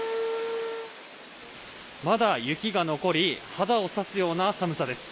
まだ雪が残り肌を刺すような寒さです。